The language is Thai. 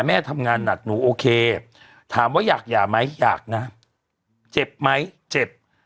แม่ทำงานหนักหนูโอเคถามว่าอยากหย่าไหมอยากนะเจ็บไหมเจ็บ